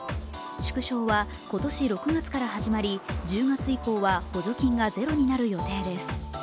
縮小は今年６月から始まり１０月以降は補助金がゼロになる予定です。